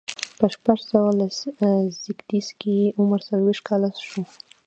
په شپږ سوه لس زيږديز کې یې عمر څلوېښت کاله شو.